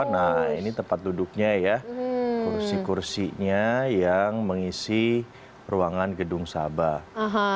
nah ini tempat duduknya ya kursi kursinya yang mengisi ruangan gedung sabah